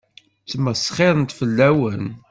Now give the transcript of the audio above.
Ttmesxiṛent fell-awen.